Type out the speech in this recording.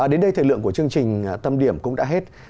đến đây thời lượng của chương trình tâm điểm cũng đã hết